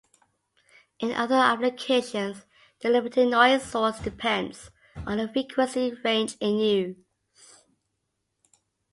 In other applications the limiting noise source depends on the frequency range in use.